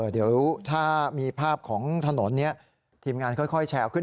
เดี๋ยวถ้ามีภาพของถนนนี้ทีมงานค่อยแชร์ขึ้น